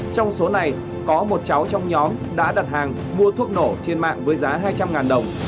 trong số này có một cháu trong nhóm đã đặt hàng mua thuốc nổ trên mạng với giá hai trăm linh đồng